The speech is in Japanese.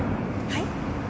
はい？